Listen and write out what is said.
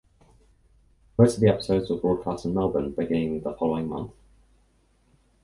Most of the episodes were broadcast in Melbourne beginning the following month.